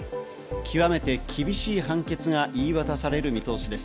極めて厳しい判決が言い渡される見通しです。